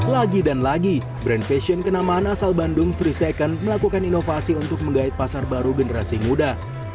lagi dan lagi brand fashion kenamaan asal bandung tiga second melakukan inovasi untuk menggait pasar baru generasi muda